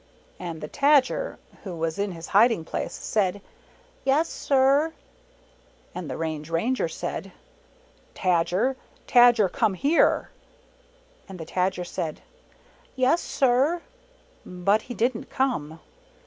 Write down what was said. And the Tajer, who was in his hiding place, said, "Yes, sir !" And the Range Ranger said, "Tadger, Tadger, come here." And the Tadger said, "Yes, sir," but he didn't come.